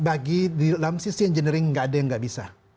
bagi di dalam sisi engineering nggak ada yang nggak bisa